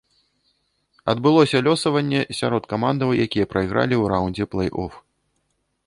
Адбылося лёсаванне сярод камандаў, якія прайгралі ў раўндзе плэй-оф.